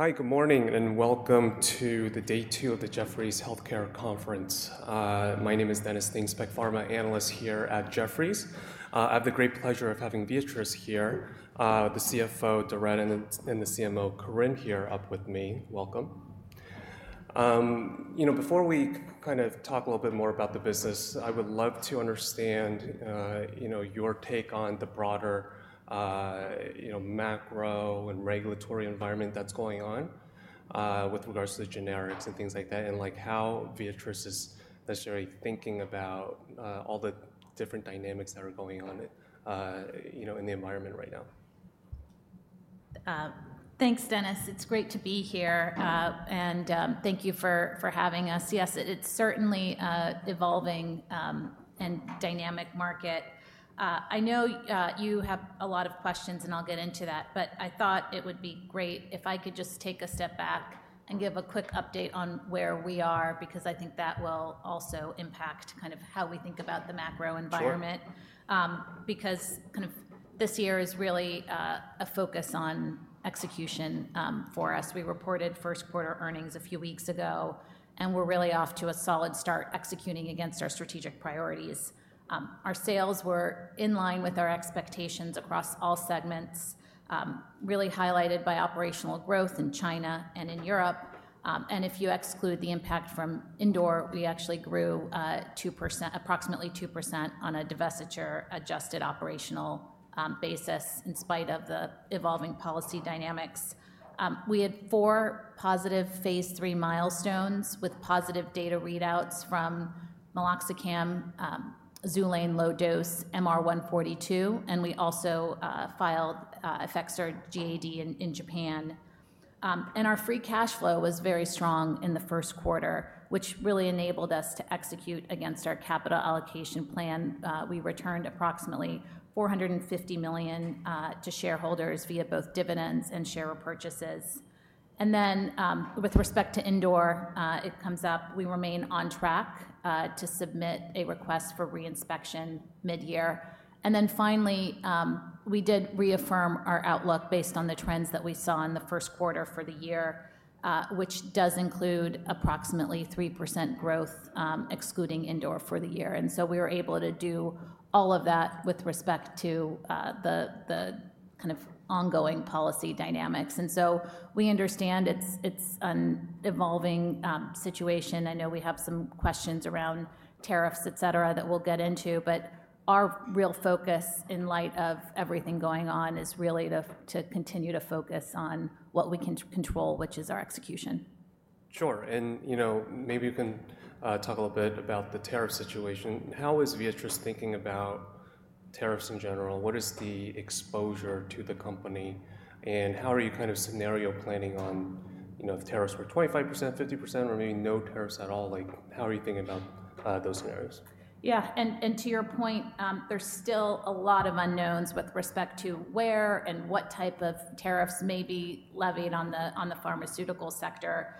Hi, good morning, and welcome to day two of the Jefferies Healthcare Conference. My name is Dennis Thinnes, PEC Pharma analyst here at Jefferies. I have the great pleasure of having Beatrice here, the CFO, Doretta, and the CMO, Corinne, here up with me. Welcome. Before we kind of talk a little bit more about the business, I would love to understand your take on the broader macro and regulatory environment that's going on with regards to the generics and things like that, and how Beatrice is necessarily thinking about all the different dynamics that are going on in the environment right now. Thanks, Dennis. It's great to be here, and thank you for having us. Yes, it's certainly an evolving and dynamic market. I know you have a lot of questions, and I'll get into that, but I thought it would be great if I could just take a step back and give a quick update on where we are, because I think that will also impact kind of how we think about the macro environment. Because kind of this year is really a focus on execution for us. We reported first quarter earnings a few weeks ago, and we're really off to a solid start executing against our strategic priorities. Our sales were in line with our expectations across all segments, really highlighted by operational growth in China and in Europe. If you exclude the impact from Indore, we actually grew approximately 2% on a device-adjusted operational basis in spite of the evolving policy dynamics. We had four positive phase three milestones with positive data readouts from meloxicam, Xulane low dose, MR-142, and we also filed Effexor GAD in Japan. Our free cash flow was very strong in the first quarter, which really enabled us to execute against our capital allocation plan. We returned approximately $450 million to shareholders via both dividends and share purchases. With respect to Indore, it comes up, we remain on track to submit a request for reinspection mid-year. Finally, we did reaffirm our outlook based on the trends that we saw in the first quarter for the year, which does include approximately 3% growth excluding Indore for the year. We were able to do all of that with respect to the kind of ongoing policy dynamics. We understand it's an evolving situation. I know we have some questions around tariffs, et cetera, that we'll get into, but our real focus in light of everything going on is really to continue to focus on what we can control, which is our execution. Sure. Maybe you can talk a little bit about the tariff situation. How is Beatrice thinking about tariffs in general? What is the exposure to the company? How are you kind of scenario planning on if tariffs were 25%, 50%, or maybe no tariffs at all? How are you thinking about those scenarios? Yeah. To your point, there is still a lot of unknowns with respect to where and what type of tariffs may be levied on the pharmaceutical sector.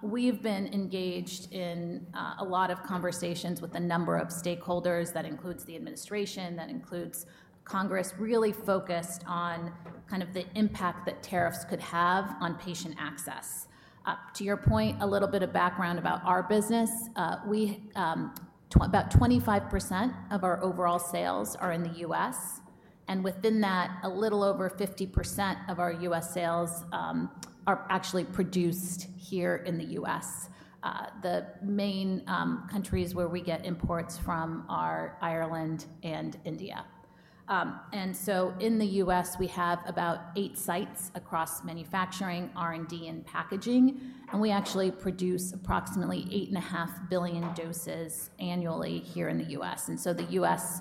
We have been engaged in a lot of conversations with a number of stakeholders. That includes the administration, that includes Congress, really focused on kind of the impact that tariffs could have on patient access. To your point, a little bit of background about our business. About 25% of our overall sales are in the US. Within that, a little over 50% of our US sales are actually produced here in the US. The main countries where we get imports from are Ireland and India. In the US, we have about eight sites across manufacturing, R&D, and packaging. We actually produce approximately 8.5 billion doses annually here in the US. The U.S.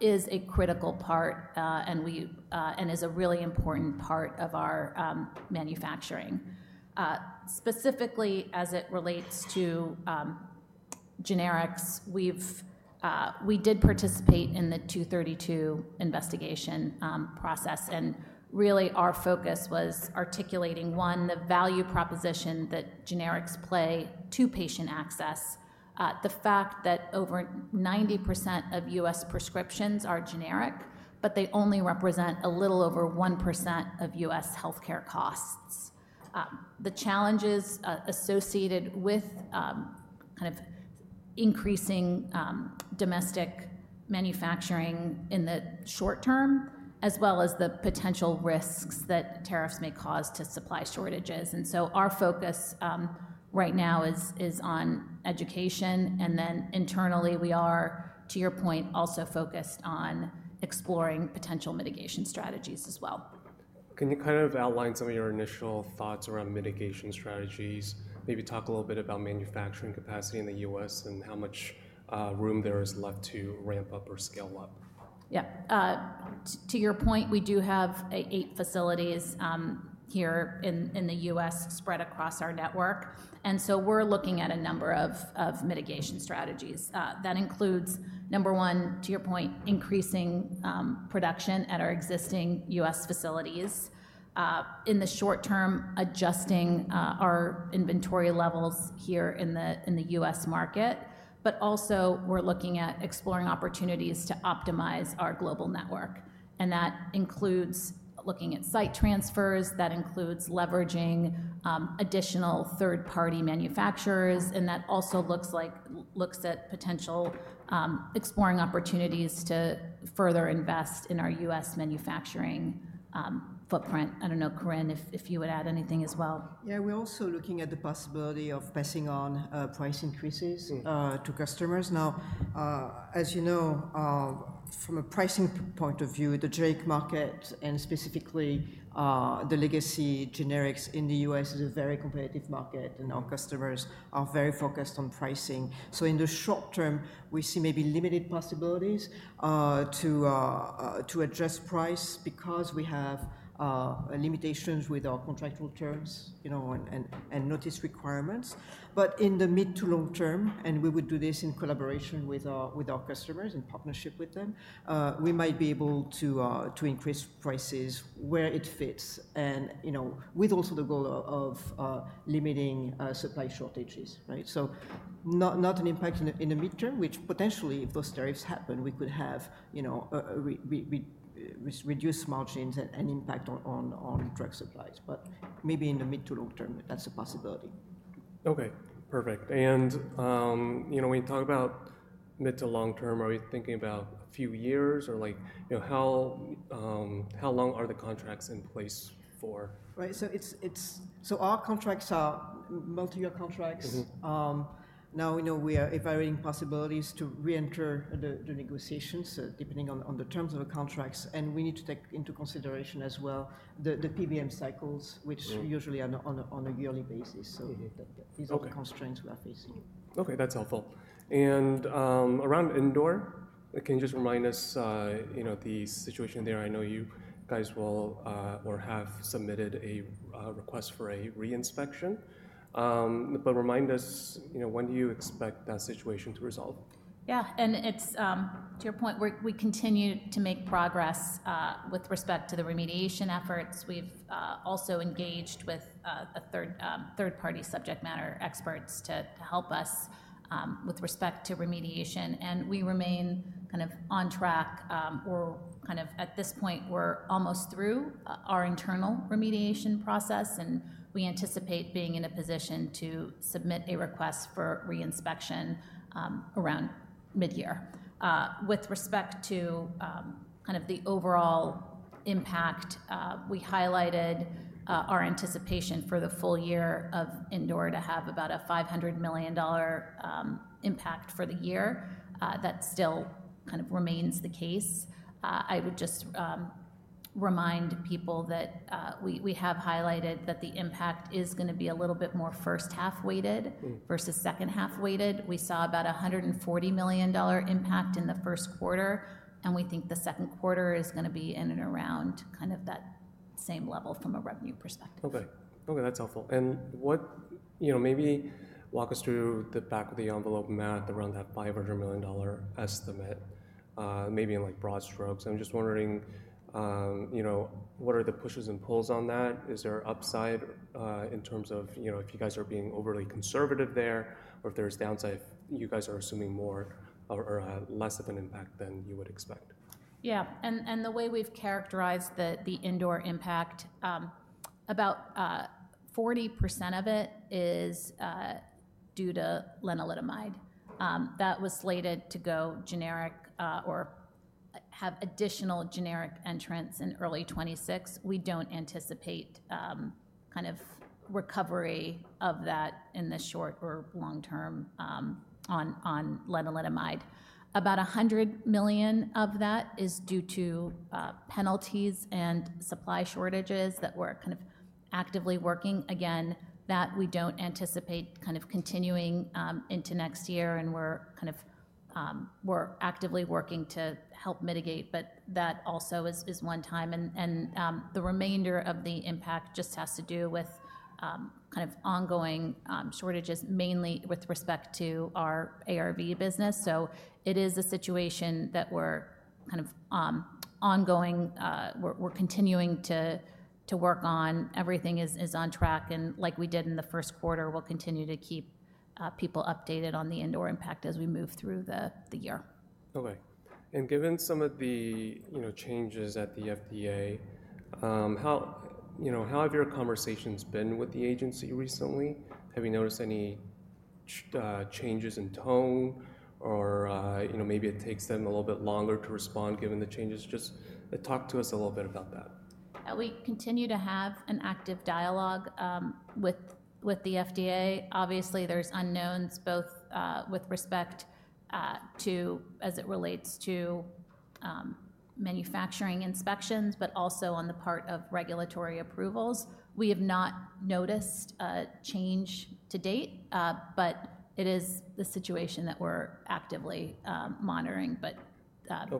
is a critical part and is a really important part of our manufacturing. Specifically, as it relates to generics, we did participate in the 232 investigation process. Our focus was articulating, one, the value proposition that generics play to patient access, the fact that over 90% of U.S. prescriptions are generic, but they only represent a little over 1% of U.S. healthcare costs. The challenges associated with kind of increasing domestic manufacturing in the short term, as well as the potential risks that tariffs may cause to supply shortages. Our focus right now is on education. Internally, we are, to your point, also focused on exploring potential mitigation strategies as well. Can you kind of outline some of your initial thoughts around mitigation strategies? Maybe talk a little bit about manufacturing capacity in the US and how much room there is left to ramp up or scale up? Yeah. To your point, we do have eight facilities here in the US spread across our network. We are looking at a number of mitigation strategies. That includes, number one, to your point, increasing production at our existing US facilities. In the short term, adjusting our inventory levels here in the US market. We are also looking at exploring opportunities to optimize our global network. That includes looking at site transfers. That includes leveraging additional third-party manufacturers. That also looks at potentially exploring opportunities to further invest in our US manufacturing footprint. I do not know, Corinne, if you would add anything as well. Yeah, we're also looking at the possibility of passing on price increases to customers. Now, as you know, from a pricing point of view, the generic market, and specifically the legacy generics in the US, is a very competitive market, and our customers are very focused on pricing. In the short term, we see maybe limited possibilities to address price because we have limitations with our contractual terms and notice requirements. In the mid to long term, and we would do this in collaboration with our customers in partnership with them, we might be able to increase prices where it fits, and with also the goal of limiting supply shortages. Not an impact in the midterm, which potentially, if those tariffs happen, we could have reduced margins and impact on drug supplies. Maybe in the mid to long term, that's a possibility. Okay, perfect. When you talk about mid to long term, are you thinking about a few years or how long are the contracts in place for? Right. So our contracts are multi-year contracts. Now we know we have evaluating possibilities to re-enter the negotiations depending on the terms of the contracts. We need to take into consideration as well the PBM cycles, which usually are on a yearly basis. These are the constraints we are facing. Okay, that's helpful. Around Indore, can you just remind us the situation there? I know you guys will or have submitted a request for a reinspection. Remind us, when do you expect that situation to resolve? Yeah. To your point, we continue to make progress with respect to the remediation efforts. We have also engaged with third-party subject matter experts to help us with respect to remediation. We remain kind of on track. At this point, we are almost through our internal remediation process, and we anticipate being in a position to submit a request for reinspection around mid-year. With respect to the overall impact, we highlighted our anticipation for the full year of Indore to have about a $500 million impact for the year. That still remains the case. I would just remind people that we have highlighted that the impact is going to be a little bit more first half weighted versus second half weighted. We saw about a $140 million impact in the first quarter, and we think the second quarter is going to be in and around kind of that same level from a revenue perspective. Okay. Okay, that's helpful. Maybe walk us through the back of the envelope math around that $500 million estimate, maybe in broad strokes. I'm just wondering, what are the pushes and pulls on that? Is there upside in terms of if you guys are being overly conservative there, or if there's downside, if you guys are assuming more or less of an impact than you would expect? Yeah. The way we've characterized the Indore impact, about 40% of it is due to lenalidomide. That was slated to go generic or have additional generic entrants in early 2026. We don't anticipate kind of recovery of that in the short or long term on lenalidomide. About $100 million of that is due to penalties and supply shortages that we're kind of actively working. Again, we don't anticipate that kind of continuing into next year, and we're actively working to help mitigate, but that also is one time. The remainder of the impact just has to do with kind of ongoing shortages, mainly with respect to our ARV business. It is a situation that we're kind of ongoing, we're continuing to work on. Everything is on track. Like we did in the first quarter, we'll continue to keep people updated on the Indore impact as we move through the year. Okay. Given some of the changes at the FDA, how have your conversations been with the agency recently? Have you noticed any changes in tone or maybe it takes them a little bit longer to respond given the changes? Just talk to us a little bit about that. We continue to have an active dialogue with the FDA. Obviously, there's unknowns both with respect to as it relates to manufacturing inspections, but also on the part of regulatory approvals. We have not noticed a change to date, but it is the situation that we're actively monitoring.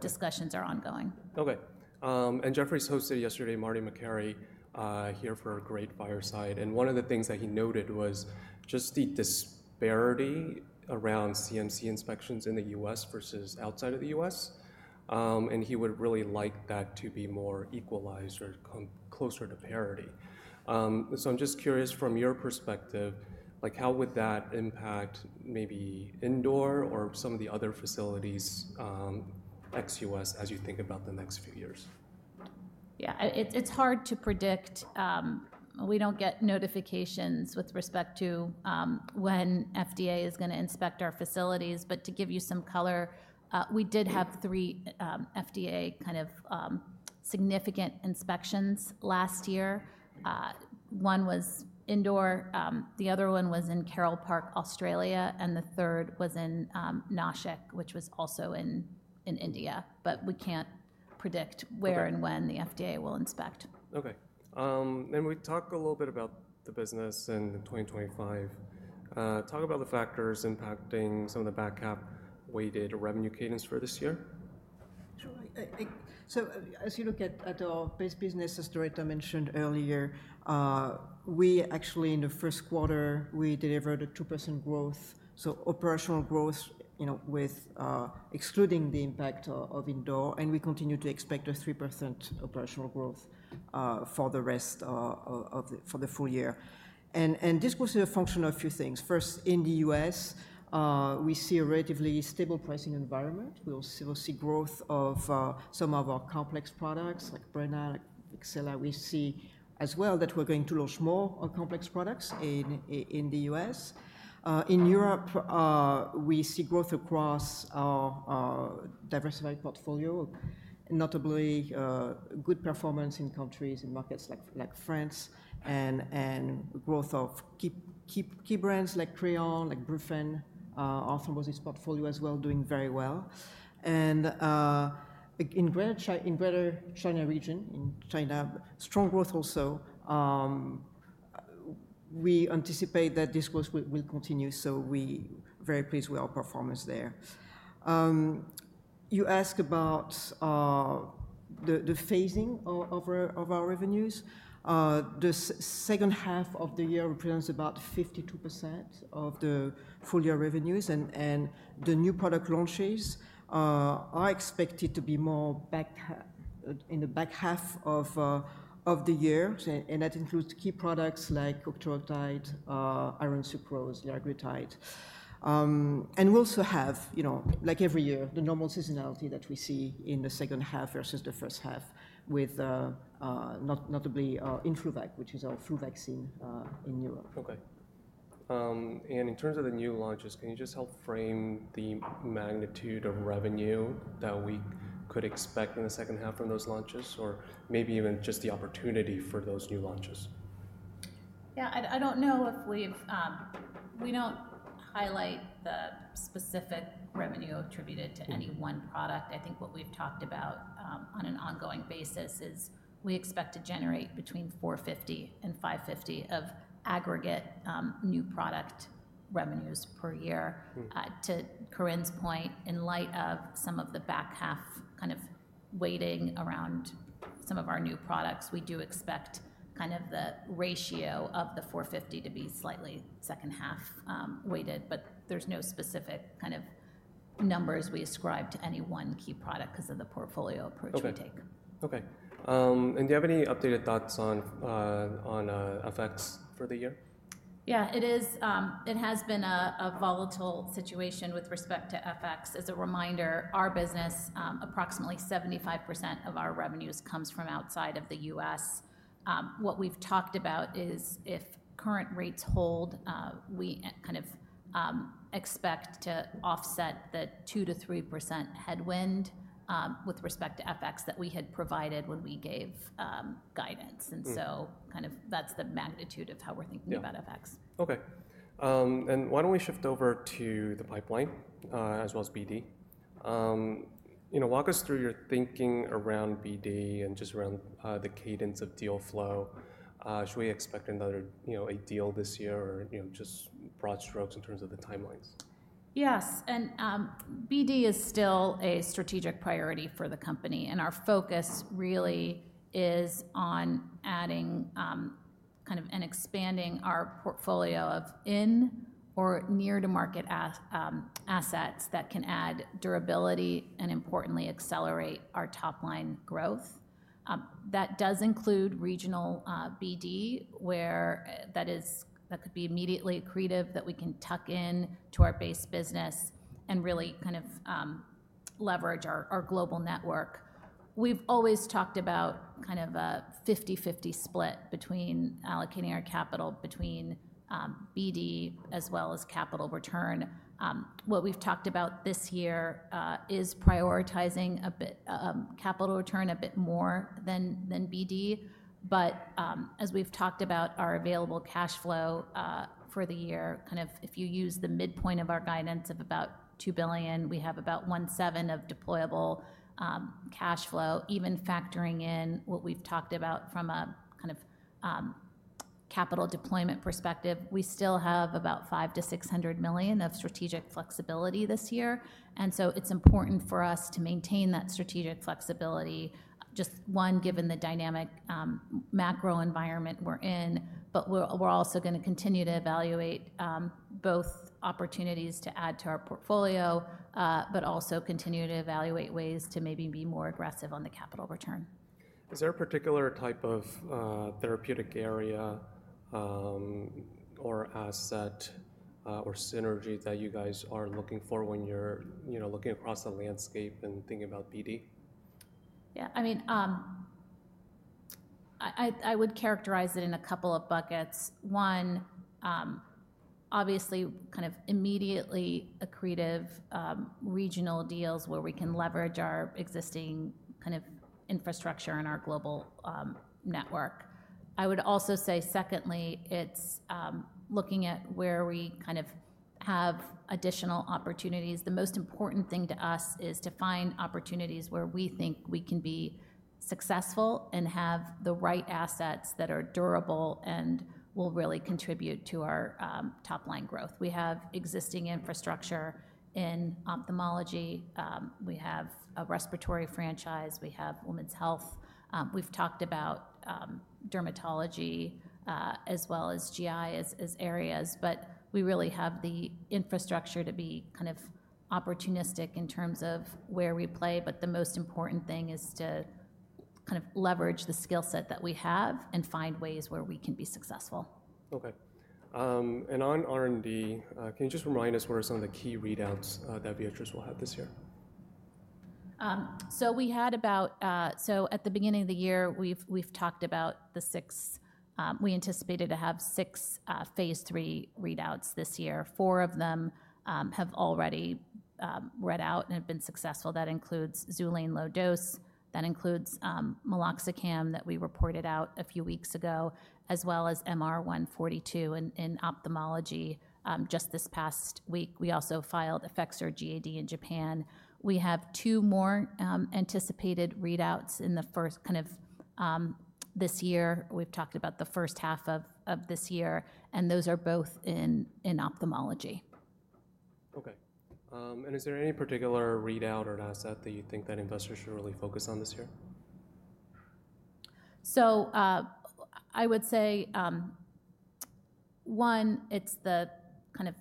Discussions are ongoing. Okay. Jefferies hosted yesterday Marty McCarry here for a great fireside. One of the things that he noted was just the disparity around CMC inspections in the U.S. versus outside of the U.S. He would really like that to be more equalized or closer to parity. I am just curious from your perspective, how would that impact maybe Indore or some of the other facilities ex-U.S. as you think about the next few years? Yeah, it's hard to predict. We don't get notifications with respect to when FDA is going to inspect our facilities. To give you some color, we did have three FDA kind of significant inspections last year. One was in Indore, the other one was in Carroll Park, Australia, and the third was in Nashik, which was also in India. We can't predict where and when the FDA will inspect. Okay. We talked a little bit about the business in 2025. Talk about the factors impacting some of the back cap weighted revenue cadence for this year. Sure. As you look at our base business, as Doretta mentioned earlier, we actually in the first quarter delivered a 2% growth, so operational growth excluding the impact of Indore. We continue to expect a 3% operational growth for the rest of the full year. This was a function of a few things. First, in the US, we see a relatively stable pricing environment. We will see growth of some of our complex products like Breyna, like Xulane. We see as well that we're going to launch more complex products in the US. In Europe, we see growth across our diversified portfolio, notably good performance in countries and markets like France and growth of key brands like Creon, like Brufen, our thrombosis portfolio as well, doing very well. In Greater China region, in China, strong growth also. We anticipate that this growth will continue. We are very pleased with our performance there. You ask about the phasing of our revenues. The second half of the year represents about 52% of the full year revenues. The new product launches are expected to be more in the back half of the year. That includes key products like octreotide, iron sucrose, lanreotide. We also have, like every year, the normal seasonality that we see in the second half versus the first half, notably InfluVac, which is our flu vaccine in Europe. Okay. In terms of the new launches, can you just help frame the magnitude of revenue that we could expect in the second half from those launches or maybe even just the opportunity for those new launches? Yeah, I do not know if we have, we do not highlight the specific revenue attributed to any one product. I think what we have talked about on an ongoing basis is we expect to generate between $450 million and $550 million of aggregate new product revenues per year. To Corinne's point, in light of some of the back half kind of weighting around some of our new products, we do expect kind of the ratio of the $450 million to be slightly second half weighted. There is no specific kind of numbers we ascribe to any one key product because of the portfolio approach we take. Okay. Do you have any updated thoughts on FX for the year? Yeah, it has been a volatile situation with respect to FX. As a reminder, our business, approximately 75% of our revenues comes from outside of the U.S. What we've talked about is if current rates hold, we kind of expect to offset the 2%-3% headwind with respect to FX that we had provided when we gave guidance. That is the magnitude of how we're thinking about FX. Okay. Why don't we shift over to the pipeline as well as BD? Walk us through your thinking around BD and just around the cadence of deal flow. Should we expect another deal this year or just broad strokes in terms of the timelines? Yes. BD is still a strategic priority for the company. Our focus really is on adding kind of and expanding our portfolio of in or near-to-market assets that can add durability and, importantly, accelerate our top-line growth. That does include regional BD where that could be immediately accretive that we can tuck into our base business and really kind of leverage our global network. We have always talked about kind of a 50/50 split between allocating our capital between BD as well as capital return. What we have talked about this year is prioritizing capital return a bit more than BD. As we have talked about our available cash flow for the year, kind of if you use the midpoint of our guidance of about $2 billion, we have about $1.7 billion of deployable cash flow. Even factoring in what we've talked about from a kind of capital deployment perspective, we still have about $500 million-$600 million of strategic flexibility this year. It is important for us to maintain that strategic flexibility, just one, given the dynamic macro environment we're in. We are also going to continue to evaluate both opportunities to add to our portfolio, but also continue to evaluate ways to maybe be more aggressive on the capital return. Is there a particular type of therapeutic area or asset or synergy that you guys are looking for when you're looking across the landscape and thinking about BD? Yeah. I mean, I would characterize it in a couple of buckets. One, obviously kind of immediately accretive regional deals where we can leverage our existing kind of infrastructure and our global network. I would also say secondly, it's looking at where we kind of have additional opportunities. The most important thing to us is to find opportunities where we think we can be successful and have the right assets that are durable and will really contribute to our top-line growth. We have existing infrastructure in ophthalmology. We have a respiratory franchise. We have women's health. We've talked about dermatology as well as GI as areas. We really have the infrastructure to be kind of opportunistic in terms of where we play. The most important thing is to kind of leverage the skill set that we have and find ways where we can be successful. Okay. On R&D, can you just remind us what are some of the key readouts that Viatris will have this year? We had about, at the beginning of the year, we've talked about the six, we anticipated to have six phase three readouts this year. Four of them have already read out and have been successful. That includes Xulane low dose, that includes meloxicam that we reported out a few weeks ago, as well as MR-142 in ophthalmology just this past week. We also filed Effexor GAD in Japan. We have two more anticipated readouts in the first kind of this year. We've talked about the first half of this year, and those are both in ophthalmology. Okay. Is there any particular readout or an asset that you think that investors should really focus on this year? I would say, one, it's the kind of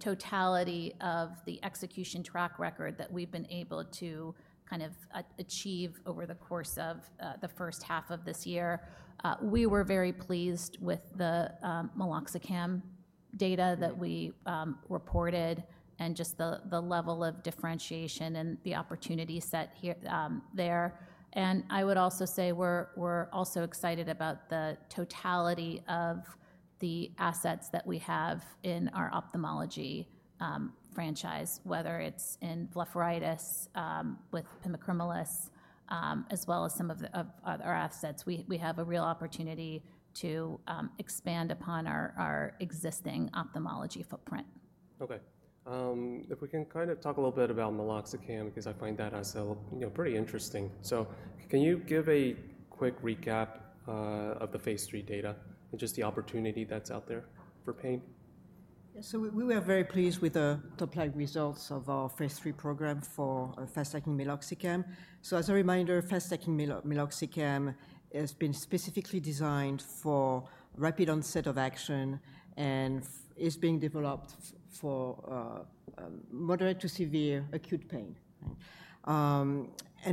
totality of the execution track record that we've been able to kind of achieve over the course of the first half of this year. We were very pleased with the meloxicam data that we reported and just the level of differentiation and the opportunity set there. I would also say we're also excited about the totality of the assets that we have in our ophthalmology franchise, whether it's in blepharitis with pimecrolimus, as well as some of our assets. We have a real opportunity to expand upon our existing ophthalmology footprint. Okay. If we can kind of talk a little bit about meloxicam because I find that asset pretty interesting. So can you give a quick recap of the phase three data and just the opportunity that's out there for pain? Yeah. We were very pleased with the top-line results of our phase three program for fast-acting meloxicam. As a reminder, fast-acting meloxicam has been specifically designed for rapid onset of action and is being developed for moderate to severe acute pain.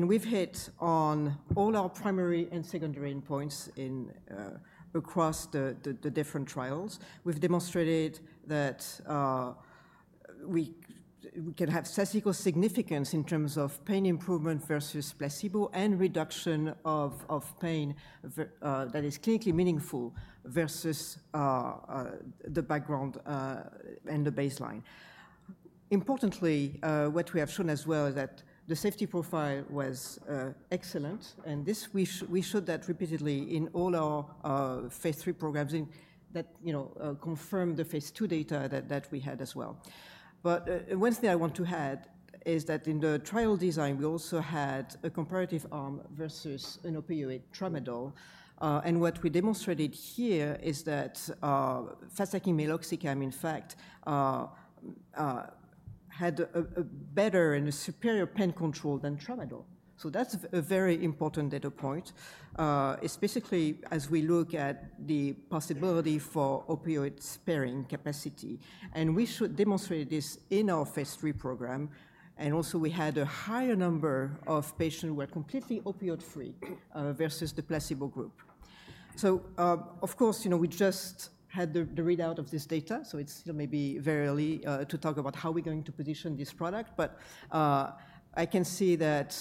We have hit on all our primary and secondary endpoints across the different trials. We have demonstrated that we can have statistical significance in terms of pain improvement versus placebo and reduction of pain that is clinically meaningful versus the background and the baseline. Importantly, what we have shown as well is that the safety profile was excellent. We showed that repeatedly in all our phase three programs, which confirmed the phase two data that we had as well. One thing I want to add is that in the trial design, we also had a comparative arm versus an opioid, tramadol. What we demonstrated here is that fast-acting meloxicam, in fact, had a better and a superior pain control than tramadol. That is a very important data point, especially as we look at the possibility for opioid-sparing capacity. We should demonstrate this in our phase three program. Also, we had a higher number of patients who were completely opioid-free versus the placebo group. Of course, we just had the readout of this data. It is still maybe very early to talk about how we are going to position this product. I can see that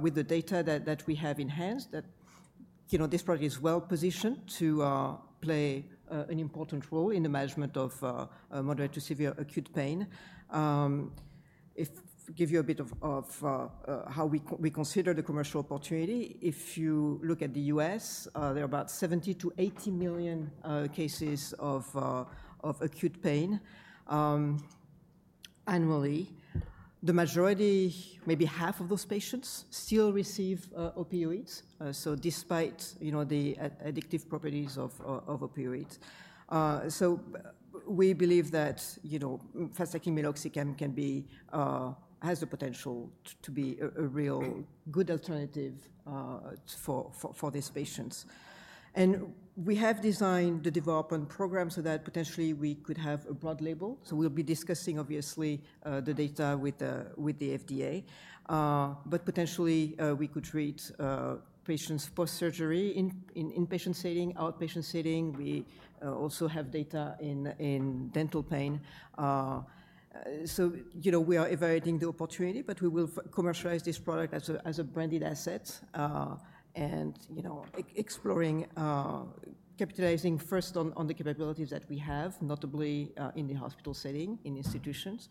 with the data that we have in hand, this product is well positioned to play an important role in the management of moderate to severe acute pain. If I give you a bit of how we consider the commercial opportunity, if you look at the US, there are about 70-80 million cases of acute pain annually. The majority, maybe half of those patients, still receive opioids, so despite the addictive properties of opioids. We believe that fast-acting meloxicam has the potential to be a real good alternative for these patients. We have designed the development program so that potentially we could have a broad label. We will be discussing, obviously, the data with the FDA. Potentially, we could treat patients post-surgery in inpatient setting, outpatient setting. We also have data in dental pain. We are evaluating the opportunity, but we will commercialize this product as a branded asset and exploring capitalizing first on the capabilities that we have, notably in the hospital setting, in institutions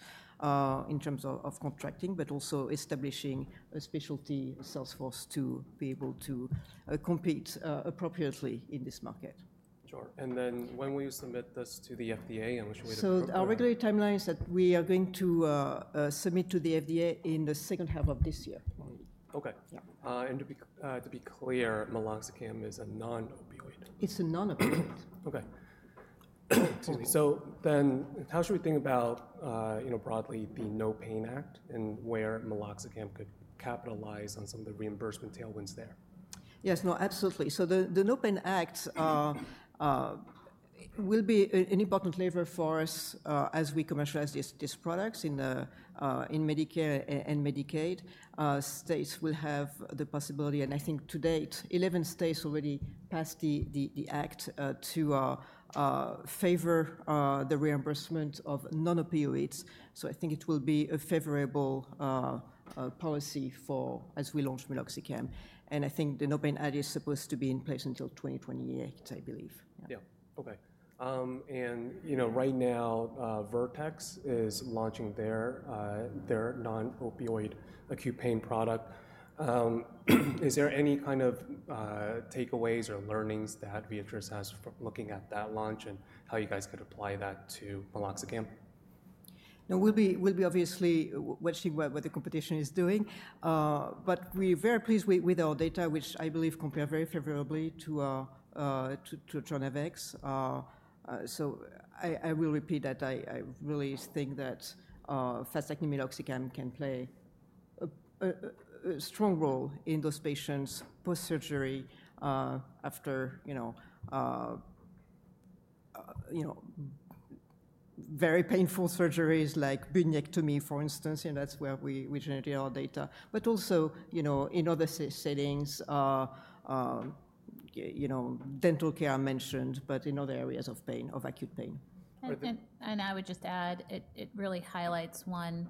in terms of contracting, but also establishing a specialty sales force to be able to compete appropriately in this market. Sure. When will you submit this to the FDA? Which way to submit it? Our regular timeline is that we are going to submit to the FDA in the second half of this year. Okay. And to be clear, meloxicam is a non-opioid? It's a non-opioid. Okay. Excuse me. How should we think about broadly the No Pain Act and where meloxicam could capitalize on some of the reimbursement tailwinds there? Yes. No, absolutely. The No Pain Act will be an important lever for us as we commercialize these products in Medicare and Medicaid. States will have the possibility. I think to date, 11 states already passed the act to favor the reimbursement of non-opioids. I think it will be a favorable policy as we launch meloxicam. I think the No Pain Act is supposed to be in place until 2028, I believe. Yeah. Okay. Right now, Vertex is launching their non-opioid acute pain product. Is there any kind of takeaways or learnings that Viatris has from looking at that launch and how you guys could apply that to meloxicam? No, we'll be obviously watching what the competition is doing. But we're very pleased with our data, which I believe compare very favorably to Suzetrigine. I will repeat that I really think that fast-acting meloxicam can play a strong role in those patients post-surgery after very painful surgeries like bunionectomy, for instance. That's where we generated our data, but also in other settings, dental care mentioned, but in other areas of acute pain. I would just add, it really highlights, one,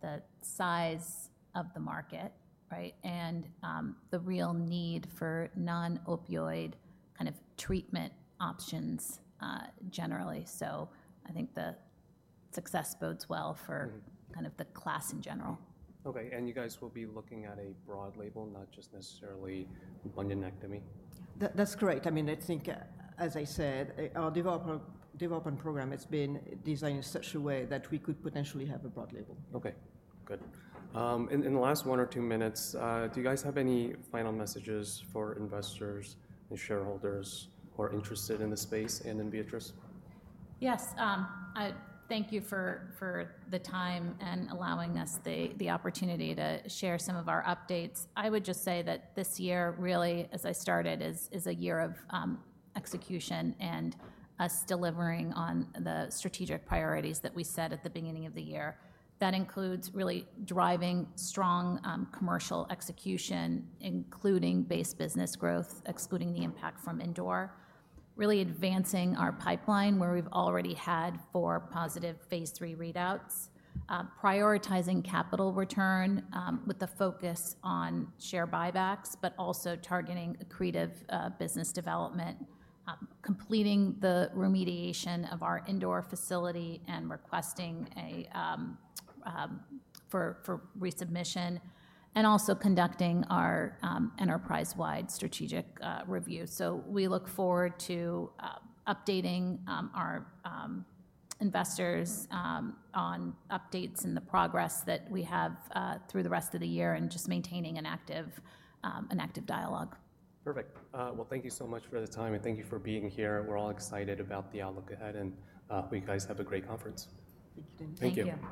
the size of the market, right, and the real need for non-opioid kind of treatment options generally. I think the success bodes well for kind of the class in general. Okay. You guys will be looking at a broad label, not just necessarily bunionectomy? That's correct. I mean, I think, as I said, our development program has been designed in such a way that we could potentially have a broad label. Okay. Good. In the last one or two minutes, do you guys have any final messages for investors and shareholders who are interested in the space and in Viatris? Yes. Thank you for the time and allowing us the opportunity to share some of our updates. I would just say that this year, really, as I started, is a year of execution and us delivering on the strategic priorities that we set at the beginning of the year. That includes really driving strong commercial execution, including base business growth, excluding the impact from Indore, really advancing our pipeline where we've already had four positive phase three readouts, prioritizing capital return with the focus on share buybacks, but also targeting accretive business development, completing the remediation of our Indore facility and requesting for resubmission, and also conducting our enterprise-wide strategic review. We look forward to updating our investors on updates and the progress that we have through the rest of the year and just maintaining an active dialogue. Perfect. Thank you so much for the time. Thank you for being here. We are all excited about the outlook ahead. Hope you guys have a great conference. Thank you. Thank you.